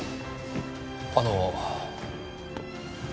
あの。